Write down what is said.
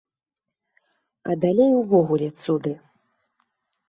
А далей увогуле цуды.